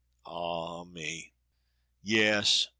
Ah me! Yes!